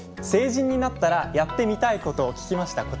成人になったらやってみたいことを聞きました。